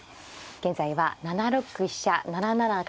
現在は７六飛車７七角